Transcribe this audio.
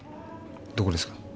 どこですか？